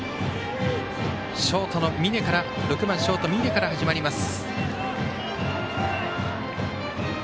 ６番ショートの峯から始まります。